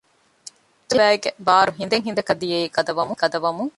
ޖެހެމުންދިޔަ ވައިގެ ބާރު ހިނދެއް ހިނދަކަށް ދިޔައީ ގަދަވަމުން